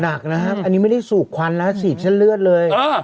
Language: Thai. หนักนะครับอันนี้ไม่ได้สูบควันนะฉีดเส้นเลือดเลย